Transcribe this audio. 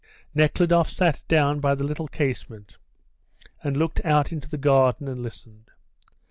Nekhludoff sat down by the little casement, and looked out into the garden and listened.